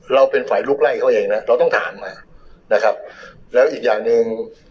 เราเป็นฝ่ายลุกไล่เขาเองนะเราต้องถามมานะครับแล้วอีกอย่างหนึ่ง